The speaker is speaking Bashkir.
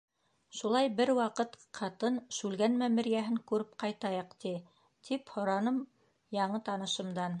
Шулай бер ваҡыт ҡатын, Шүлгән мәмерйәһен күреп ҡайтайыҡ, ти. — тип һораным яңы танышымдан.